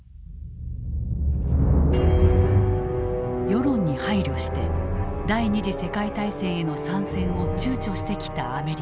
世論に配慮して第二次世界大戦への参戦をちゅうちょしてきたアメリカ。